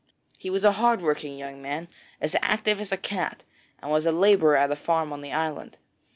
He was a hard working young man, as active as a cat, and was a labourer at a farm on the island.